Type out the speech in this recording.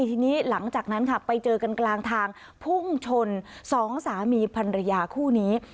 ทีนี้หลังจากนั้นค่ะไปเจอกันกลางทางพุ่งชนสองสามีพันรยาคู่นี้